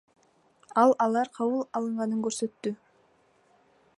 Ал алар кабыл алынганын көрсөттү.